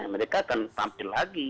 mereka akan tampil lagi